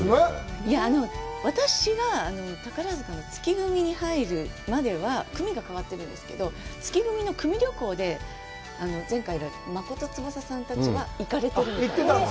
いや、私が宝塚の月組に入るまでは、組がかわってるんですけど、月組の組旅行で、前回、真琴つばささんたちは行かれてるみたいです。